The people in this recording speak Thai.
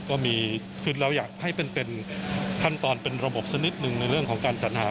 ก็มีคือเราอยากให้เป็นขั้นตอนเป็นระบบสักนิดหนึ่งในเรื่องของการสัญหา